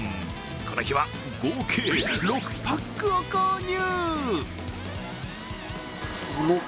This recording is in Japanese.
この日は合計６パックを購入。